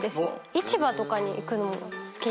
市場とかに行くのも好きで。